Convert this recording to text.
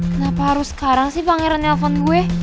kenapa harus sekarang sih pangeran nelfon gue